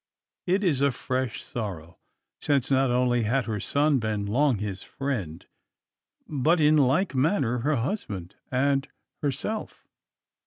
It is a fresh sorrow; since, not only had her son been long his friend, but in like manner her husband and herself.